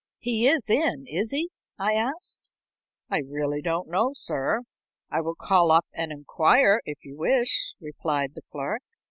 "He is in, is he?" I asked. "I really don't know, sir. I will call up and inquire, if you wish," replied the clerk.